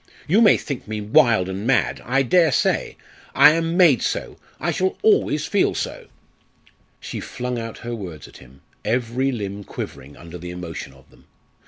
You may think me wild and mad. I dare say. I am made so. I shall always feel so!" She flung out her words at him, every limb quivering under the emotion of them.